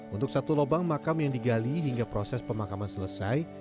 untuk satu lubang makam yang digali hingga proses pemakaman selesai